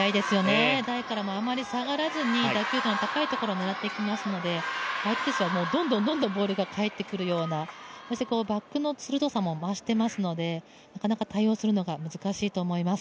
台からも余り下がらずに打球点の高いところを狙っていきますので相手選手はどんどんボールが返ってくるような、バックの鋭さも増していますので、なかなか対応するのが難しいと思います。